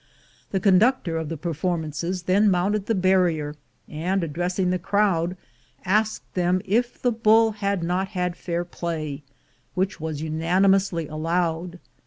The conductor of the performances then mounted the barrier, and, addressing the crowd, asked them if the bull had not had fair play, which was unanimously allowed.